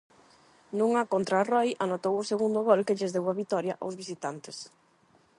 Nunha contra Roi anotou o segundo gol que lles deu a vitoria ós visitantes.